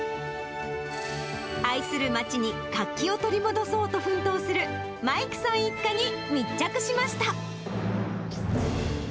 愛する町に活気を取り戻そうと奮闘するマイクさん一家に密着しました。